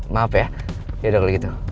maaf ya yaudah kalau gitu